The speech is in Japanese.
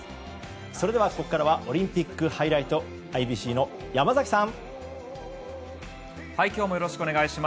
それではここからはオリンピックハイライトＩＢＣの山崎さん。